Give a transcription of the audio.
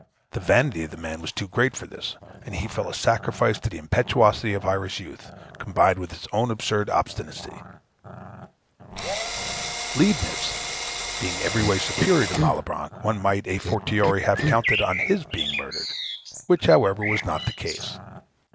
The vanity of the man was too great for this; and he fell a sacrifice to the impetuosity of Irish youth, combined with his own absurd obstinacy. Leibnitz, being every way superior to Malebranche, one might, a fortiori, have counted on his being murdered; which, however, was not the case.